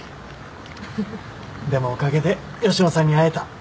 でもおかげで吉野さんに会えた。